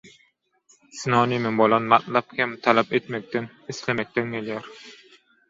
Sinonimi bolan matlap hem talap etmekden, islemekden gelýär.